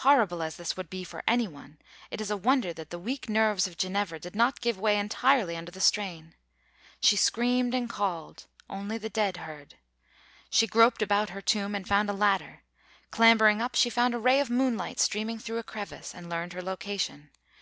Horrible as this would be for any one, it is a wonder that the weak nerves of Ginevra did not give way entirely under the strain. She screamed and called only the dead heard. She groped about her tomb, and found a ladder; clambering up, she found a ray of moonlight streaming through a crevice, and learned her location.